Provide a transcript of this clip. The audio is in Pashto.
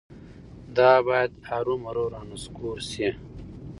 دا باید هرومرو رانسکور شي.